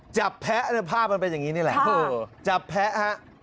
จับแพ้เนี่ยภาพมันเป็นอย่างนี้เนี่ยแหละจับแพ้ฮะ